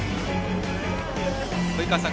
鯉川さん